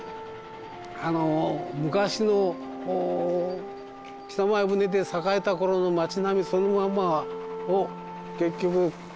あの昔の北前船で栄えたころの町並みそのまんまを結局この屋根だけをね